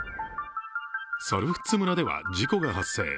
猿払村では事故が発生。